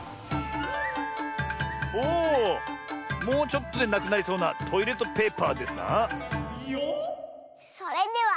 もうちょっとでなくなりそうなトイレットペーパーですな。